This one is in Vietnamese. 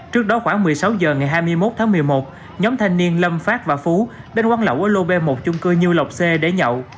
trước đó khoảng một mươi sáu h ngày hai mươi một tháng một mươi một nhóm thanh niên lâm phát và phú đến quán lẩu ở lô b một chung cư như lọc c để nhậu